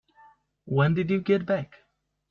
When did you get back?